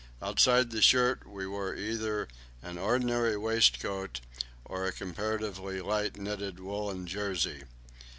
Outside the shirt we wore either an ordinary waistcoat or a comparatively light knitted woollen jersey.